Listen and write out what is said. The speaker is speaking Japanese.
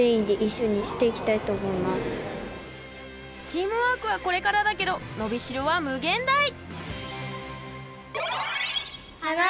チームワークはこれからだけどのびしろはむげんだい！